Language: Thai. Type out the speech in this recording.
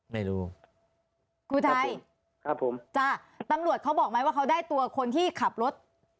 ไม่รู้กูไทยครับผมจ้ะตำรวจเขาบอกไหมว่าเขาได้ตัวคนที่ขับรถ